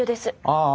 ああ